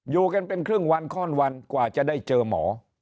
อยู่กันเป็นครึ่งวันข้อนวันกว่าจะได้เจอหมอ